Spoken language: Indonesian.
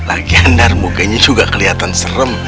lagian dar mukanya juga kelihatan serem